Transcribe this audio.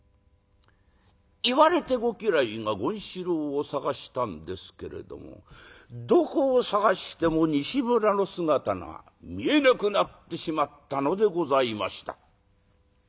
言われてご家来が権四郎を捜したんですけれどもどこを捜しても西村の姿が見えなくなってしまったのでございました。